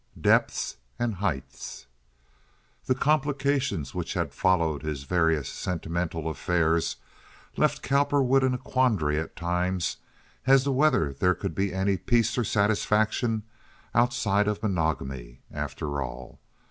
Depths and Heights The complications which had followed his various sentimental affairs left Cowperwood in a quandary at times as to whether there could be any peace or satisfaction outside of monogamy, after all.